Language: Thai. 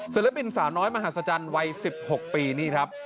บินสาวน้อยมหาศจรรย์วัย๑๖ปีนี่ครับ